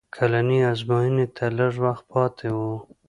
کلنۍ ازموینې ته لږ وخت پاتې و